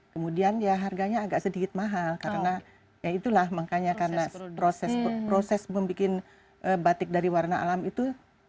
kemudian ya harganya agak sedikit mahal karena ya itulah makanya karena proses membuat batik dari warna alam itu